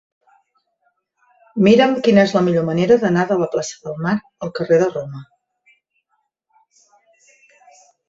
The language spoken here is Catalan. Mira'm quina és la millor manera d'anar de la plaça del Mar al carrer de Roma.